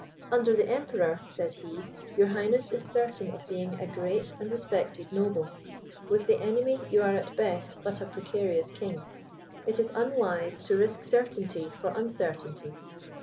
"Under the Emperor," said he, "your highness is certain of being a great and respected noble; with the enemy, you are at best but a precarious king. It is unwise to risk certainty for uncertainty.